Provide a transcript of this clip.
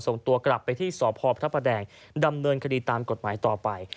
ส่งตัวกลับไปที่สพพระประแดงดำเนินคดีตามกฎหมายต่อไป